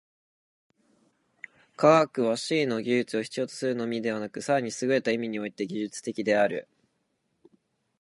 科学は思惟の技術を必要とするのみでなく、更にすぐれた意味において技術的である。